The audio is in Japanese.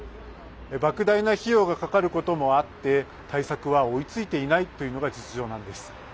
ばく大な費用がかかることもあって対策は追いついていないというのが実情なんです。